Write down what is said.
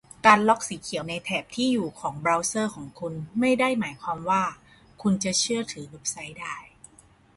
การล็อกสีเขียวในแถบที่อยู่ของเบราว์เซอร์ของคุณไม่ได้หมายความว่าคุณจะเชื่อถือเว็บไซต์ได้